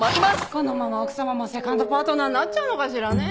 このまま奥様もセカンドパートナーになっちゃうのかしらねえ。